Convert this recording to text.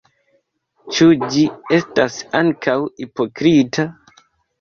Ĉu ĝi estas ankaŭ hipokrita?